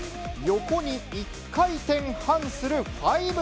横に１回転半する５４０。